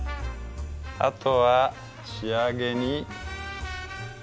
あとは仕上げに。